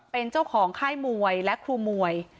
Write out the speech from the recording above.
เป็นเจ้าของค่ายมวยและครูมวย